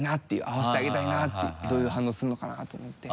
会わせてあげたいなっていうどういう反応するのかなと思って。